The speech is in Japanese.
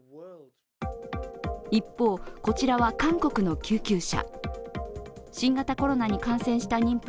一方、こちらは韓国の救急車。